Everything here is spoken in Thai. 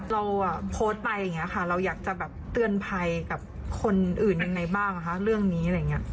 เราโพสต์ไปอย่างนี้ค่ะเราอยากจะเตือนภัยกับคนอื่นยังไงบ้างเรื่องนี้